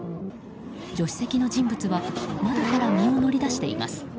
助手席の人物は窓から身を乗り出しています。